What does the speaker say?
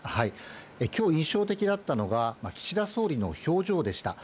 きょう、印象的だったのが、岸田総理の表情でした。